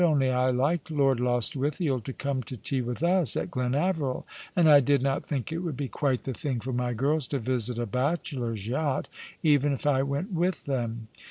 Only I liked Lord Lostwithiel to come to tea with us at Glenaveril ; and I did not think it would be quite the thing for my girls to visit a bachelor's yacht, even if I went with them.